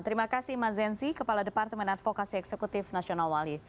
terima kasih mas zensi kepala departemen advokasi eksekutif nasional wali